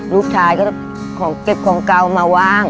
ลูกชายก็ของเก็บของเก่ามาวาง